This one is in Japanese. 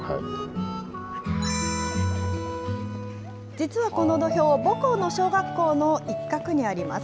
実はこの土俵、母校の小学校の一角にあります。